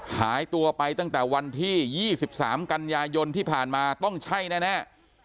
หายตัวไปตั้งแต่วันที่๒๓กันยายนที่ผ่านมาต้องใช่แน่